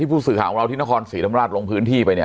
ผู้สื่อข่าวของเราที่นครศรีธรรมราชลงพื้นที่ไปเนี่ย